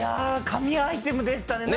神アイテムでしたね。